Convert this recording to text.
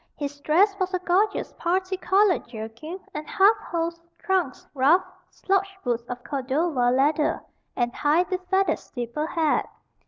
His dress was a gorgeous parti colored jerkin and half hose, trunks, ruff, slouch boots of Cordova leather, and high befeathered steeple hat.